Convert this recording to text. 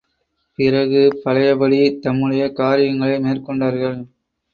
பிறகு பழையபடி தம்முடைய காரியங்களை மேற்கொண்டார்கள்.